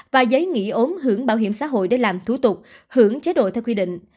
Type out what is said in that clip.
và giấy nghỉ ốm hưởng bảo hiểm xã hội để làm thủ tục hưởng chế độ theo quy định